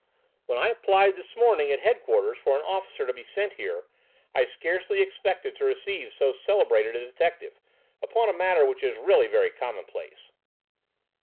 "When I applied this morning at headquarters for an officer to be sent here, I scarcely expected to receive so celebrated a detective, upon a matter which is really very commonplace."